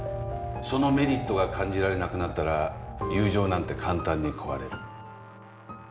そのメリットが感じられなくなったら友情なんて簡単に壊れる。